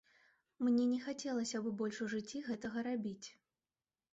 Мне не хацелася б больш у жыцці гэтага рабіць.